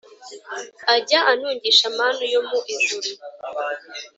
Ajya antungisha manu yo mu ijuru